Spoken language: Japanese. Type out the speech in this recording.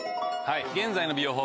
現在の美容法